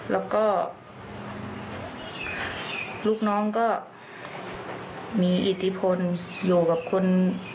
แล้วก็ลูกน้องก็มีอิทธิพลอยู่กับคน